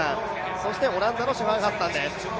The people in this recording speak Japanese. そしてオランダのシファン・ハッサンです。